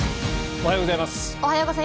おはようございます。